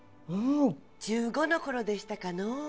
１５の頃でしたかのう